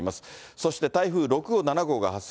そして台風６号、７号が発生。